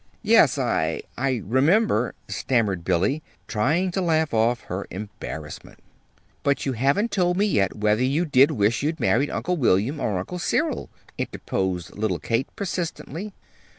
"Yes, I I remember," stammered Billy, trying to laugh off her embarrassment. "But you haven't told me yet whether you did wish you'd married Uncle William, or Uncle Cyril," interposed little Kate, persistently.